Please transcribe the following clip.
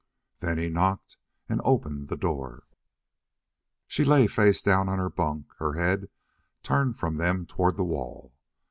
Then he knocked and opened the door. She lay face down on her bunk, her head turned from them toward the wall.